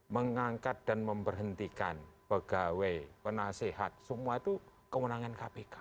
mengangkat dan memberhentikan pegawai penasehat semua itu kewenangan kpk